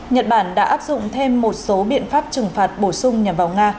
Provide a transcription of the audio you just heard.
nhật bản đã áp dụng thêm một số biện pháp trừng phạt bổ sung nhằm vào nga